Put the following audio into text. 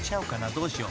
どうしよう］